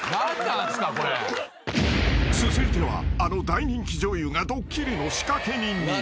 ［続いてはあの大人気女優がドッキリの仕掛け人に］